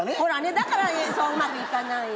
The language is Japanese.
だからそううまくいかないよ。